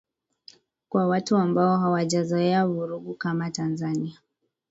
kwa watu ambao hawajazoea vurugu kama tanzania